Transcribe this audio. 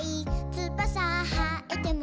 「つばさはえても」